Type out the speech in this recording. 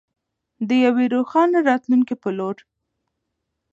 د یوې روښانه راتلونکې په لور.